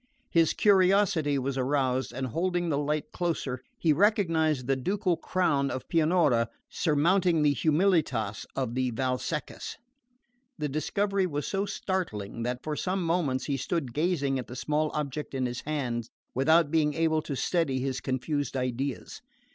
His curiosity was aroused, and holding the light closer he recognised the ducal crown of Pianura surmounting the "Humilitas" of the Valseccas. The discovery was so startling that for some moments he stood gazing at the small object in his hand without being able to steady his confused ideas.